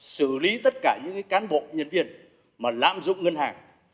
xử lý tất cả những cán bộ nhân viên mà lạm dụng ngân hàng